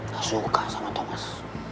gak suka sama thomas